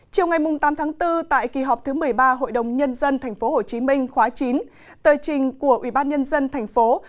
chiều ngày tám tháng bốn tại kỳ họp thứ một mươi ba hội đồng nhân dân tp hcm khóa chín tờ trình của ubnd tp